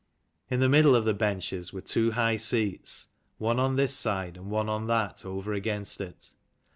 In the middle of the benches were two high seats, one on this side and one on that over against it.